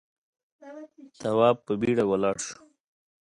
تواب په بيړه ولاړ شو.